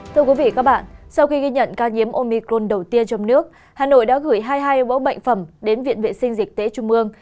thưa quý vị các bạn sau khi ghi nhận ca nhiễm omicron đầu tiên trong nước hà nội đã gửi hai mươi hai bóng bệnh phẩm đến viện vệ sinh dịch tế trung mương